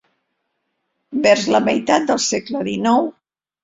Vers la meitat del segle dinou.